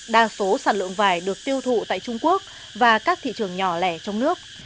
đa số sản lượng vải được tiêu thụ tại trung quốc và các thị trường nhỏ lẻ trong nước